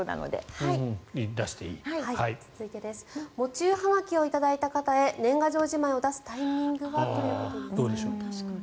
続いて喪中はがきを頂いた方へ年賀状じまいを出すタイミングはということです。